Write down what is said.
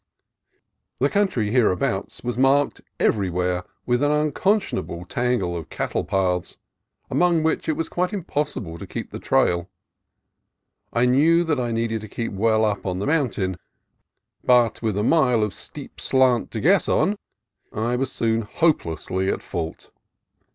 The country hereabouts was marked everywhere with an unconscionable tangle of cattle paths, among which it was quite impossible to keep the trail. I knew that I needed to keep well up on the mountain, but with a mile of steep slant to guess on I was soon hopelessly at fault.